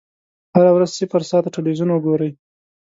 هره ورځ صفر ساعته ټلویزیون وګورئ.